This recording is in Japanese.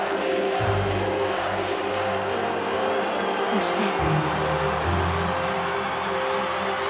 そして。